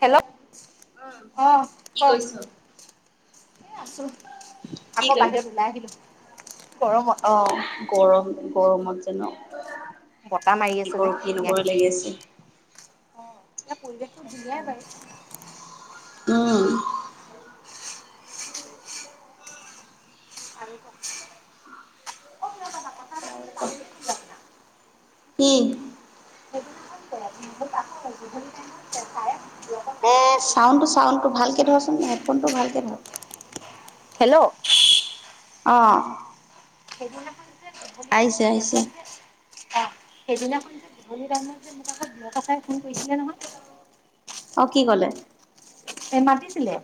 Hello উম অঁ কি কওক কৈছ এ আছো আকৌ বাহিৰত ওলাই আহিলো গৰমত আহ গৰম গৰমত যেনো বতাহ মাৰি আছে যে ধুনীয়াকে আছে। অ ইয়াৰ পৰিৱেশটো ধুনীয়াই বাৰু উম আৰু শুনা কথা কথা এটা কবলৈ পাহৰিয়ে গলো আপোনাক উম [unintelligible] চাউনটো কৰিছিলে চাউনটো ভালকে ধৰচোন হেডফোনটো ভালকে ধৰ হেল্ল' অ [unintelligible] আহিছে যে আহিছে মোক যে অ সেইদিনাখন যে বিভনী ডাঙৰ যে মোৰ কাষত বিয়ৰত আছোই ফোন কৰিছিলে নহয় অ কি কলে এ মাতিছিলে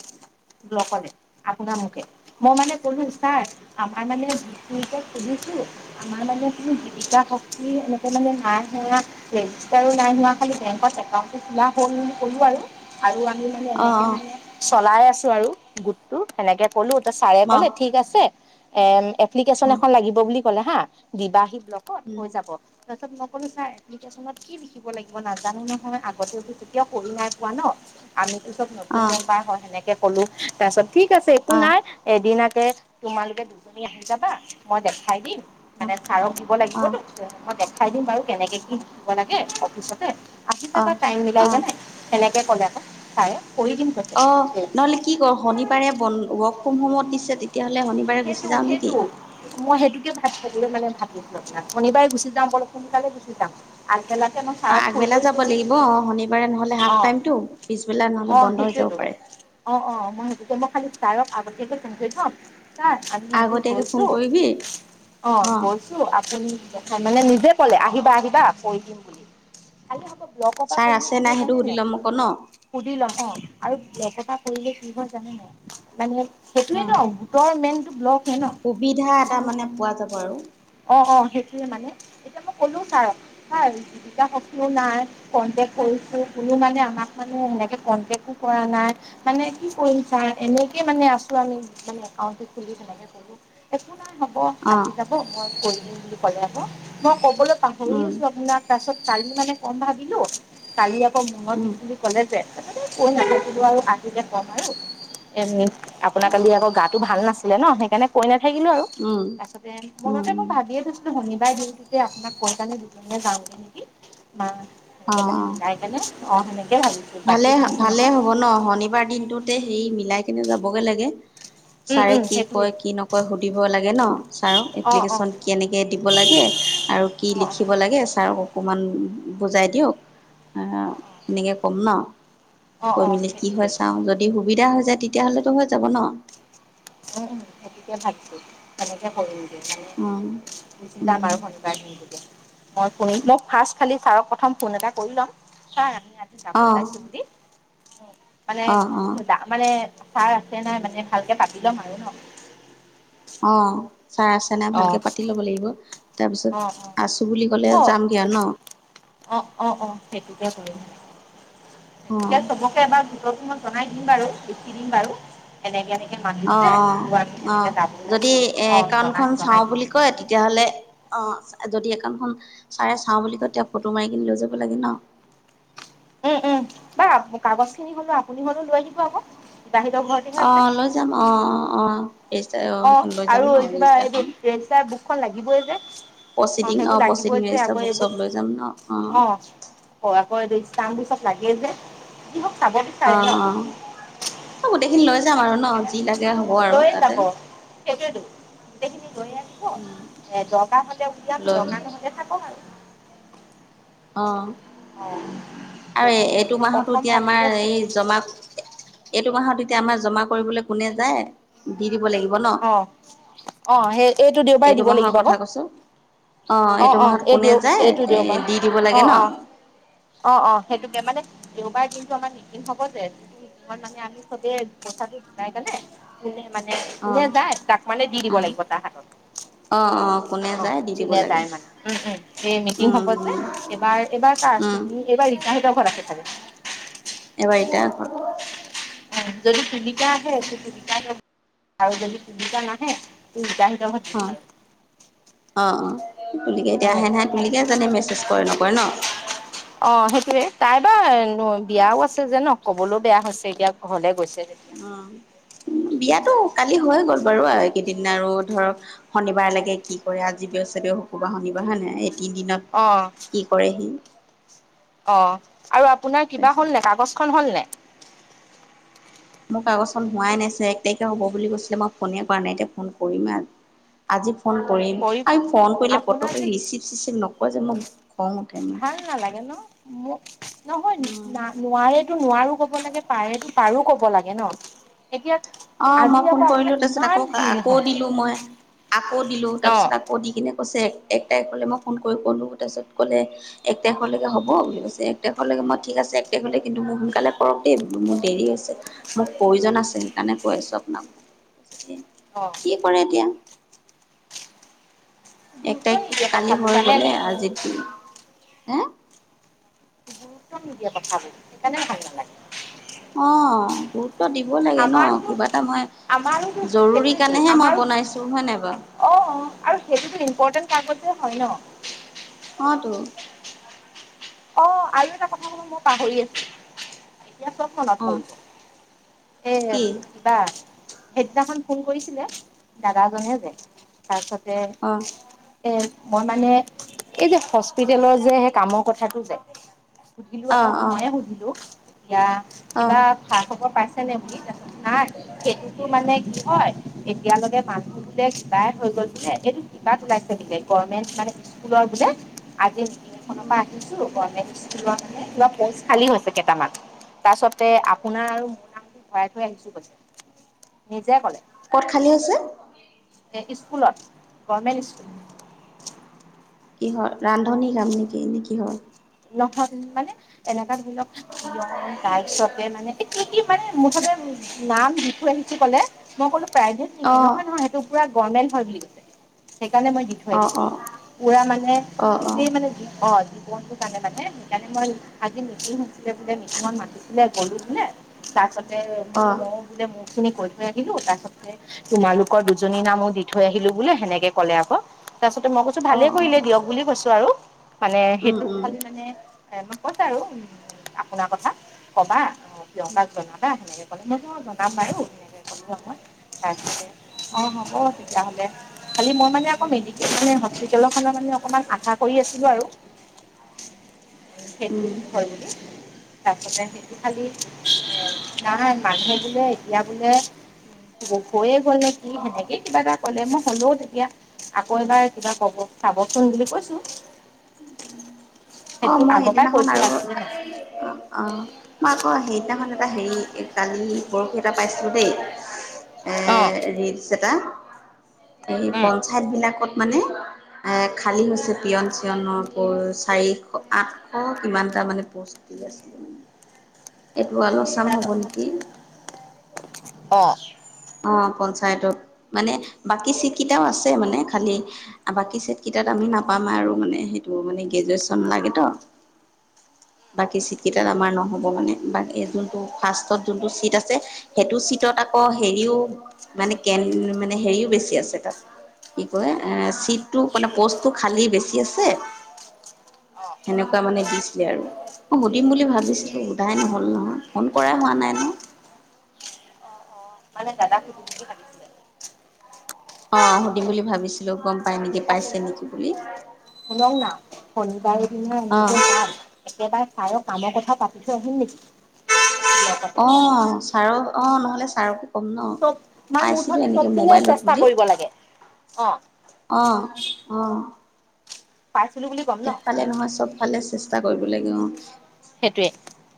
আপোনাৰ মোকে মই মানে কলো ছাৰ আমাৰ মানে আমাৰ মানে কি জীৱিকা শক্তি এনেকে মানে নাই হোৱা ৰেজষ্টাৰো নাই হোৱা বে এ খ হলো আৰু অ' অ' চলাই আছো আৰু গোটটো সেনেকে ক'লো ত' ছাৰে অ' ক'লে ঠিক আছে এম এপ্লিকেশচন এখন লাগিব বুলি ক'লে হা দিবাহি লগত হৈ যাব তাৰপাছত মই ক'লো ছাৰ এ্পলিকেশ্যনত কি লিখিব লাগিব নাজানো নহয় আগতেও যেো কেতিয়াও কৰি নাই পোৱা ন আমিতো চব নতুন মেম্বাৰ হয় সেনেকে কলো তাৰ পিছত ঠিক অ' অ' আছেোোনাৰ এদিন তোমালোকে দুজনী আহি যাবা মই দেখাই দিম অ' মানে ছাৰক দিব অ' লাগিবতো মই দেখাই দিম বাৰু কেনেকে কি দিব লাগে অফিচতে আহি যাবা টাইম মিলাই অ' অ' জানাই তেনেকে ক'লে আকৌ চাই অ নহলে কি কৰ শনিবাৰে বন ৱৰ্ক ফ্ৰম হোমত দিছে তেতিয়া'লে সেইটো সেইটো মই সেইটোকে থাকিবলৈ মানে ভাবিছো আপোনাৰ শনিবাৰে গুচি যাওঁ বলপ সোনকালে গুচি যাওঁ পেলাকে মই ছাৰক ফোন আগবেলা কৰিছো যাব কি লাগিব অ শনিবাৰে নহ'লে হাফ অ টাইমটো পিছবেলা নহ'লে অ বন্ধ হৈ যাব সেইটোয়েতো পাৰে। অ অ মই সেইটোছো মই খালি ছাৰক আগতীয়াকৈ ফোন থৈ থম আমি আমি আগতীয়াকে ফোন গৈছো কৰিবি অ গৈছো আপুনি দেখ মানে নিজ যে কলে আহিবা আহিবা কৈ দিম বুলি লগ পপ ছাৰ কৰিলে আছে কি নাই হয় সেইটো জানে সুধি নে ল'ম আকৌ ন। সুধি লম অ আৰু এক এটা কৰিলে ফব জানে নাই মানে অ সেইটোয়ে ন গোটৰ মেইনটো ব্লক ন সুবিধা এটা সেই মানে পোৱা যাব আৰু অ', অ', সেইটোৱে মানে এতিয়া মই কলোও ছাৰক হয় এ সকলো নাই কনটেক্ট কৰিছো কোনো মানে আমাক মানে এনেকে কন্টেকো কৰা নাই মানে কি কৰিম ছা এনেকে মানে আছো আমি মানে একা খুলি তেনেকে কৰো একো নাই হ'ব অ আহি যাব মই কৰি দিম বুলি মই কবলৈ পাহৰি উম আছো আপোনাক তাৰছত কালি মানে কম ভাবিলো কালি আপুনি মনৰ দিশ উম বুলি ক'লে যে কো আৰু আ যে ক'ম আৰু এনেই আপোনাক উম কালি আকৌ গাত নাছিলে ন সেইকাৰণে কৈ নাথাকিলো আৰু উম তাৰপছতে উম মনতে মই উম ভাবিয়ে থৈছিলো ভন সলাই দিওঁটো যে আপোনাক কৈ কেনে দুজনীয়া যাওঁগৈ নেকি মা অ সেনেকৈ মে অ মিলাই কেনে আধুনিক ভালে, ভালে হ'ব ন শনিবাৰ দিনটোতে সেই মিলাই কেনে যাবগে লাগে উম ছাৰে উম কি সেইটোৱে কয় কি নকয় সুধিব লাগে ন ছাৰক অ অ এপ্লিকেশ্যন কেনেকৈ দিব লাগে আৰু কি অ লিখিব লাগে ছাৰক অকণমান বুজাই দিয়ক সেনেকৈ ক'ম ন অ অ কৈ অ মেলি কি সেইটোৱে হয় চাওঁ যদি সুবিধা হৈ যায় তেতিয়াহ'লেতো হৈ যাব ন উম সতিকে ভাবছো তেনেকে অঁ গুচি যাম আৰু শনিবাই দিনয়া মই শুনিম মই ফাৰ্ষ্ট খালি ছাৰক প্ৰথম ফোন এটা কৰি ল'ম ছাৰ সহ যাব অঁ ওলাইছো বুলি মানে অঁ অঁ মানে ভাৰ আছে নাই মানে ভালকে পাতি ল'ম আৰু ন অ', চাহ আছে নাই অ', ভালকে পাতি ল'ব লাগিব তাৰপিছত অ', আছোঁ বুলি ক'লে অ', যামগৈ ন অ', অ', অ', সেইটোকে কৰিম সেইটো অঁ চবকে এবাৰ ত তই জনাই দিম বাৰু লিখি দিম বাৰু এনেকে অ', মাতিছে অ', ত' আমি সেনেকে অ', যাব যদি ওলাইছো এ অ', জনাই একাউণ্টখন জনাই চাওঁ দিম। বুলি কয় তেতিয়াহ'লে অ', যদি একাণ্খন চাৰে চাওঁ বুলি কয় তেওঁ ফটো মাৰি কিনি লৈ যাব লাগে ন উম, উম বাাৰ কাগজ খিনি হলেও আপুনি হলেও লৈ দিব আকৌ বাহিৰৰ ঘৰতেহে অ', আছে লৈ যাম অ', অ', অ', ৰেজিষ্টাৰ অ', সেইখন লৈ যাম আৰু ন কিবা এইটো ৰেজিষ্টাৰখন ৰোৰ বুকখন লাগিবই যে অ', প্ৰচিডিং অ সেইবোৰ প্ৰচিডিং লাগিবই যে ৰেজিষ্টাৰ আকৌ বুক এইবোৰ চব লৈ যাম ন অ', অ', আকৌ এই পিছত লাগে যে ত মোক চাব অ অ বিচাৰে ন অ গোটেইখিনি লৈ যাম আৰু ন একেবাৰে যি লাগে হ'ব আৰু তাতে সেইটো তো লৈ আহিব উম এ দৰকাৰ হলে উলিয়াম লৈ দৰকাৰ নহলে থাক আৰু অ অ', আৰু সেইটোকে এইটো মই কম মাহতো কম এতিয়া আমাৰ ভাবি আছো এই জমা মাহততিয়া আমাৰ জমা কৰিবলৈ কোনে যায় দিব লাগিব ন আহ, আহ, সেই এইটো দেওবাৰে দিব মাহৰ লাগিব আক কথা কৈছো অ', এইটো অ', মাহত এই কোনে দিউ যায় এইটো এ দিওঁ বাৰ দি দিব লাগে অ', ন অ', অ', অ', সেইটোকে মানে দেওবাৰ দিনটো আমাৰ নিন হব যে তই মানে আমি চবে কথাটো ঘকাই কোনে কোনে মানে অ নে যায় তাক মানে দি দিব অ লাগিব তাৰ হাতত অ অ কোনে অ, যায় দি ' দিব যোনে লাগে যায় মানে উম উম স মিটিং উম হব যে এইবাৰ এইবাৰ উম শুনি এইবাৰ ইবাহিত ঘৰাখে থাকে এইবাৰটা আ যদি চিলিকা আহে চিকাই ল আৰু যদি চিলিকা নাহে টাই অ' অ' অ' গতিকে, এতিয়া আহে নাহে উম তুলিকে জানে মেছেজ কৰে নকৰে ন। অ' সেইটোৱে তাই বাৰ বিয়াও আছে যে ন কবলৈও বেয়া হৈছে। এতিয়া ঘৰলে গৈছে। যেতিয়া উম বিয়াতো কালি হৈ গ'ল বাৰু আৰু এইকেইদিন আৰু ধৰক শনিবাৰ লাগে কি কৰে আজি বৃহ চাগে শুকো বাৰ শনিবাৰ হয় নাই এই তিন দিনত অ' কি কৰে সি অ' আৰু আপোনাৰ কিবা তাৰপিছত হ'ল নে কাগজ খন হ'ল নে? মোৰ কাগজখন হোৱাই নাইছে এক তাৰিখে হ'ব বুলি কৈছিলে। মই ফোনে কৰা নাই এতিয়া ফোন কৰিম আৰু আজি ফোন কৰিম কৰি আমি ফোন কৰিলে আপোনাৰ পতকে যে ৰিচিভ চিচিভ নকয় যে মই ভাল নালাগে ন মোক নহয় উম। না নোৱাৰে। নোৱাৰো ক'ব লাগে পাৰেতে পাৰোঁ ক'ব লাগে ন। এতিয়া অ' আজি মই ফোন আকৌ আপোনাৰ কৰিলোঁ। তাৰপিছত ইমান আকৌ ভিৰ আকৌ হ'ল দিলোঁ মই। আকৌ দিলোঁ অ তাৰপিছত আকৌ দি কিনে কৈছে। এক তাৰিখলৈ মই ফোন কৰি কলো এক তাৰিখলৈ মই ফোন কৰিম কৰিম বোলোঁ। তাৰপিছত ক'লে এক তাৰিখলৈকে হ'ব বুলি কৈছে এক তাৰিখলৈকে মই ঠিক আছে। যেনকে হ'লে কিন্তু মোৰ সোনকালে কৰক দেই মোৰ দেৰি হৈছে মোক প্ৰয়োজন আছে। সেইকাৰণে কৈ আছোঁ আপোনাক, অ কি কৰে এতিয়া। এক গুৰুত্ব তাৰিখ নিদিয়ে কালি কথাবোৰ হৈ জানে গ'লে নাই আজি এহ গুৰুত্ব নিদিয়ে কথাবোৰ সেইকাৰণে ভাল নালাগে। তোৰ দিব লাগে ন আমাৰোতো কিবা এটা মই আমাৰোতো জৰুৰী সেইটোৱেতো কাৰণেহে মই আমাৰো বনাইছোঁ হয় নাই বাৰু অ' আৰু সেইটোতো ইম্পৰ্টেণ্ট কামতে হয় ন। অহ'টো অ', আৰু এটা কথা ক'ব মই পাহৰি আছোঁ, এতিয়া চব মনত অ' পৰিব। এ, কি কিবা সেইদিনাখন ফোন কৰিছিলে দাদাজনে যে, তাৰপিছত যে, অ' এই মই মানে এই যে, হস্পিতেলৰ যে, সেই কামৰ কথাটো যে, সুধিলোঁ আকৌ অ' অ' মইয়ে সুধিলোঁ, ইয়া কিবা অ' খা, খবৰ পাই [unintelligible] নাই সেইটোতো মানে কি হয়। এতিয়ালৈকে মানুহ বোলে [unintelligible] হৈ গৈছিলে এইটো কিবাত ওলাইছে বোলে গভমেণ্ট মানে ইস্কুলত যে, উম। আজিখনৰ [unintelligible] গভমেণ্ট ইস্কুলত মানে কিবা পষ্ট খালী হৈছে কেইটামান, তাৰছতে আপোনাৰ আৰু মোৰ নাম ভৰাই থৈ আহিছোঁ কৈছে, নিজে ক'লে। ক'ত খালী আছে? এ ইস্কুলত, গভমেণ্ট ইস্কুল। কিহৰ ৰান্ধনী কাম নেকি? নে কিহৰ? নহয়, মানে এনেকা ধৰি লওঁক পিয়ন তাৰপিছত মানে এ' কি, কি মানে মুঠতে নাম দি থৈ আহিছোঁ ক'লে, মই ক'লো প্ৰায়ভেট নেকি? অ' নহয়, নহয় সেইটো পুৰা গৰমেন্ট হয়, বুলি কৈছে। সেইকাৰণে মই দি থৈ অ' আহিলো অ' বোলে পুৰা মানে অ' অ' গোটেই মানে জী অ', জীৱনটো কাৰণে মানে সেইকাৰণে মই আজি মিটিং হৈছিলে বোলে, মিটিঙত মাতিছিলে গ'লো বোলে, তাৰ পাছত অ' [unintelligible] অ' ময়ো বোলে মো খিনি কৈ থৈ আহিলোঁ, তাৰপাছতে তোমালোকৰ দুজনীৰ নামো দি থৈ আহিলোঁ বোলে, সেনেকে ক'লে আকৌ। তাৰপাছতে মই কৈছোঁ, ভালে অ' কৰিলে দিয়ক বুলি কৈছোঁ আৰু মানে উম সেইটোত উম খালী মানে এ কৈছে আৰু আপোনাৰ কথা, ক'বা প্ৰিয়ংকাক জনাবা সেনেকে। ক'লে মইছো অ' জনাম বাৰু ধুনীয়াকৈ ক'লো আহ মই তাৰপিছতে অ' হ'ব তেতিয়াহ'লে খালি মই মানে আকৌ মেডিকেলহে হ'ব। মেডিকেল খনৰ মানে অকমান আশা কৰি আছিলোঁ আৰু সেইটো উম হয় বোলে। তাৰপাছতে সেই খালি এ নাই মানুহে বোলে এতিয়া বোলে হৈয়ে গ'লে নেকি কি সেনেকেই কিবা এটা ক'লে, মই হ'লেও তেতিয়া আকৌ এবাৰ কিবা ক'ব চাবচোন বুলি কৈছোঁ। অ' সেইটো মই আগৰ পৰাই কৈ হেইদিনাখন আৰু থোৱা আছিলে ন অ' অ' মই আকৌ হেইদিনাখন এটা হেৰি কালি বৰশী এটা পাইছিলো দেই, এ অ' ৰিলছ এটা। এই পঞ্চায়ত বিলাকত মানে এ খালী হৈছে পিয়ন চিয়নৰ প'চাৰি আঠশ কিমানটা মানে পষ্টি আছিলে। এইটো আলু চাম হ'ব নেকি? অ', অ, পঞ্চায়ত। মানে বাকী চিট কিটাও আছে মানে, খালী বাকী চিট কিটাত আউ আমি নাপাম আৰু মানে সেইটো মানে গ্ৰেজুৱেচন লাগে তো। [inaudible] বাকী চিট কেইটাত আমাৰ নহ'ব মানে। বাকী যোনটো ফাষ্টত যোনটো চিট আছে, সেইটো চিট তত আকৌ হেৰিও মানে কেন মানে হেৰিও বেছি আছে তাত। কি কয় এ চিটটো প'নে প'ষ্টটো খালী বেছি আছে। অঁ হেনেকুৱা মানে দিছিলে আৰু ম সুদিম বুলি ভাবিছিলো, সোধাই নহল নহয়। ফোন কৰাই হোৱা নাই ন? অ-অ। [inaudible] অ, সুদিম বুলি ভাবিছিলো, গম পাই নেকি? পাইছে নেকি বুলি শুনকনা শনিবাৰৰ দিনা আমি অঁ যে যাম, একেবাৰে তায়ক কামৰ কথা পাতি থৈ আহিম নেকি? লগতে অ, চাৰক অ'নহলে চাৰকো কম ন? চব মানে মোৰ পাইছিলো ধৰণে এনেকে চবপিনে মোবাইলত চেষ্টা বুলি। কৰিব লাগে অ অ-অ। পাইছিলো বুলি ক'ম ন এফালে নহয়, চব ফালে চেষ্টা কৰিব লাগে অ, সেইটোৱে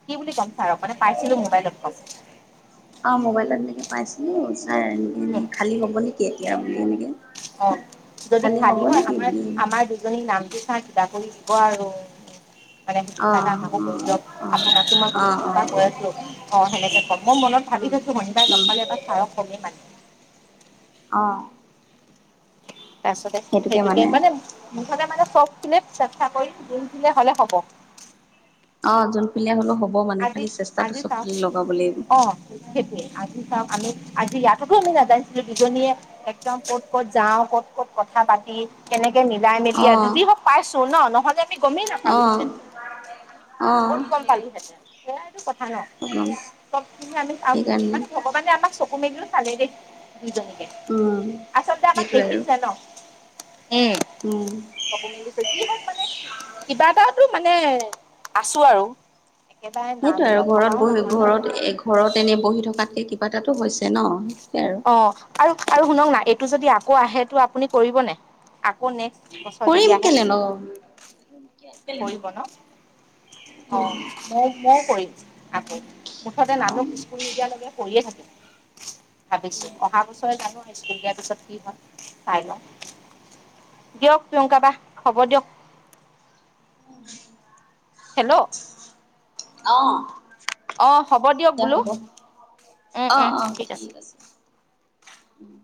কি বুলি ক'ম ছাৰক মানে পাইছিলো মোবাইল ক'ম। অ, মোবাইলত এনেকে পাইছিলো ছাৰ, এ উম এনে খালী হ'ব নেকি? এতিয়া বুলি এনেকে অ, যদি হ'ব খালী হয়, নেকি আমাৰ বুলি আমাৰ দুজনী নামটো চাৰ [unintelligible] আৰু মানে অ সুবিধা এটা আমাকো কৰি দিয়ক। অ আপোনাকো টো মই অ অ বহুত অ দিনৰ পৰা কৈ আছিলো অ, সেনেকে কম। মনত ভাবি উম থৈছো মই এইবাৰ লগ উম পালে এইবাৰ চাৰ কমেই মানে। অ', তাৰপিছতে সেইটোকে মানে মুঠতে মানে চেষ্টা কৰি দি দিলে হলে হ'ব। অ, যোন পিলে হব মানে আজি খালি - চেষ্টাটো আজি চাও চবফালে লগাব লাগিব অ, সেইটোয়ে আজি আমি আজি ইয়াততো আমি নাাজাইছিলো দুজনীয়ে একদম ক'ত - ক'ত যাও ক'ত - ক'ত কথা পা কেনেকে মিলাই মেলি অ আৰু যদি পাইছো ন - ন আমি গমেই নাপালো অ হেতেনো আমি অ ক'ত গম পালোহেতেন? কথা নাই চবি আমি সেইকাৰণে মানে ভগৱানে আমাক চকু মেলিলো চালেই দেই দুজনীকে উম আচলতে আমাক সেইটোৱে আৰু দেখিছে ন? উম, উম কব মেলিছে যি হওক মানে কিবা এটা টো মানে আছো আৰু। একেবাৰে নাম সেইটো আৰু ঘৰত নথকাও বহি নহয় ন ঘৰত এ ঘৰত এনে বহি থকাতকে কিবা এটাতো হৈছে ন? আৰু অ, আৰু আৰু শুনক না এইটো যদি আকৌ আহেটো আপুনি কৰিব ন আকৌ নেক কৰিম [unintelligible] আহে। কেলে ন কৰিব ন অ, মও কৰিম। আকৌ মুঠতে নানুক স্কুল নিদিয়ালৈকে কৰিএ থাকে। ভাবিছো অহা বছৰে জানো স্কুল দিয়াৰ পিছত কি হয়। চাই লও দিয়ক প্ৰিয়ংকা বা হব দিয়ক। উম, হেল্ল', অহ, অ হ'ব দিয়ক দিয়া বোলো হ'ব অ অ ঠিক আছে। উম,